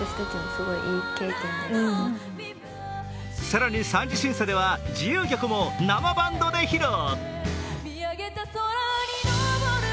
更に３次審査では自由曲も生バンドで披露。